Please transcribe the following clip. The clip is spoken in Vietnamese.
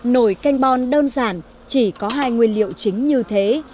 nồi canh bon đơn giản chỉ có hai nguyên liệu chính như thế